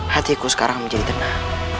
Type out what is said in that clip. hatiku sekarang menjadi tenang